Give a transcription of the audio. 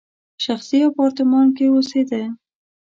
شخصي اپارتمان کې اوسېده.